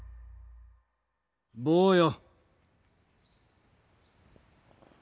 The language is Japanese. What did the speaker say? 坊よ。